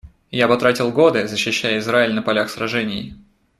Я потратил годы, защищая Израиль на полях сражений.